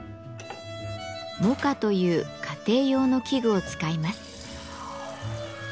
「モカ」という家庭用の器具を使います。